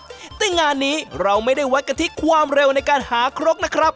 เราแข่งกันที่ความใหญ่และบานของแดกงาต่างหาก